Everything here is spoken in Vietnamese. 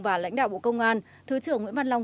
và lãnh đạo bộ công an thứ trưởng nguyễn văn long